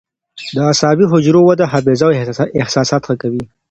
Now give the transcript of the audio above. د عصبي حجرو وده حافظه او احساسات ښه کوي.